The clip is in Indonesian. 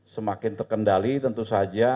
semakin terkendali tentu saja